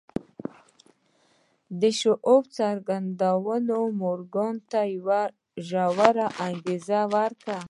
د شواب څرګندونو مورګان ته یوه ژوره انګېزه ورکړه